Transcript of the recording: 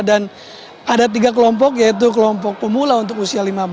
dan ada tiga kelompok yaitu kelompok pemula untuk usia lima belas